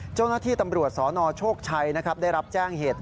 เจ้าหน้าที่ตำรวจสนโชคชัยได้รับแจ้งเหตุ